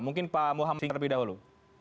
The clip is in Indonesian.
mungkin pak muhammad singkat lebih dahulu